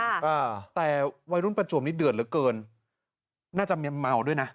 อ่าแต่วัยรุ่นประจวบนี้เดือดเหลือเกินน่าจะเมียเมาด้วยนะ